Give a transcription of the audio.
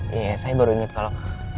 iya iya saya baru inget kalau